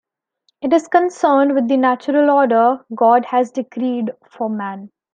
It is concerned with the natural order God has decreed for man.